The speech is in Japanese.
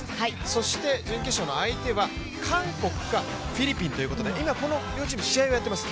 そして、準決勝の相手は韓国かフィリピンということで今、この両チーム試合をやっています。